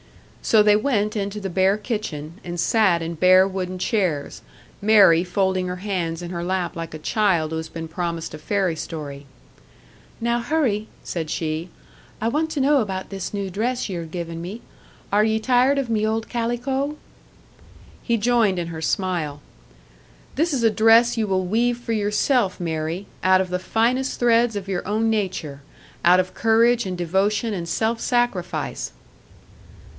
So they went into the bare kitchen, and sat in bare wooden chairs Mary folding her hands in her lap like a child who has been promised a fairy story. "Now hurry," said she. "I want to know about this new dress ye're givin' me. Are ye tired of me old calico?" He joined in her smile. "This is a dress you will weave for yourself, Mary, out of the finest threads of your own nature out of courage and devotion and self sacrifice."